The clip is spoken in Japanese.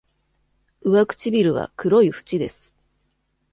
上唇は黒い縁です。